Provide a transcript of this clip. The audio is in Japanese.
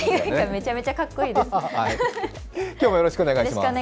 めちゃめちゃかっこいいです。